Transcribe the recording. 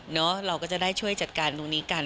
เราก็จะได้ช่วยจัดการตรงนี้กัน